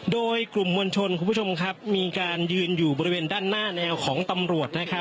โดยกลุ่มวลชนมีการยืนอยู่บริเวณด้านหน้าแนวของตำรวจ